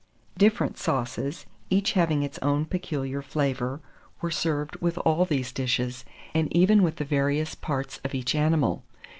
Different sauces, each having its own peculiar flavour, were served with all these dishes, and even with the various parts of each animal.